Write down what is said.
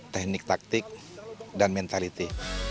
teknik taktik dan mentality